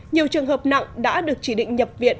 nhiều trường hợp nặng đã được chỉ định nhập viện